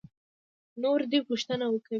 نور دې پوښتنې وکړي.